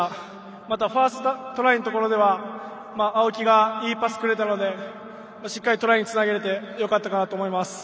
また、ファーストトライのところでは青木がいいパスをくれたのでしっかりトライにつなげられてよかったと思います。